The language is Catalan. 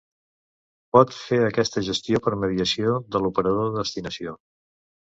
Pot fer aquesta gestió per mediació de l'operador de destinació.